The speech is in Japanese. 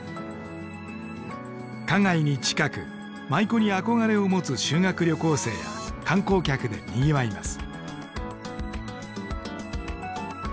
花街に近く舞妓に憧れを持つ修学旅行生や観光客でにぎわいます。